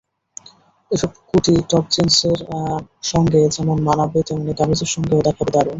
এসব কোটি টপ-জিন্সের সঙ্গে যেমন মানাবে, তেমনি কামিজের সঙ্গেও দেখাবে দারুণ।